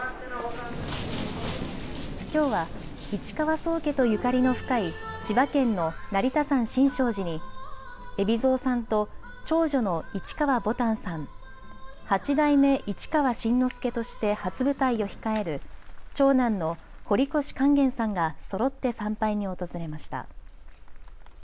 きょうは市川宗家とゆかりの深い千葉県の成田山新勝寺に海老蔵さんと長女の市川ぼたんさん、八代目市川新之助として初舞台を控える長男の堀越勸玄さんがそろって参拝に訪れました。